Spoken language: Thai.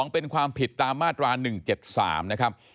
เป็นความผิดตามมาตรา๑๗๓